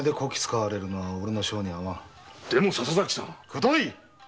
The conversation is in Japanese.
くどい！